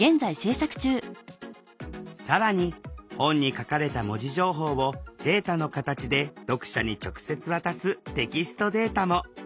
更に本に書かれた文字情報をデータの形で読者に直接渡す「テキストデータ」も。